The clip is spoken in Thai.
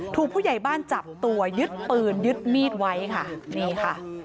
ผู้ใหญ่บ้านจับตัวยึดปืนยึดมีดไว้ค่ะนี่ค่ะ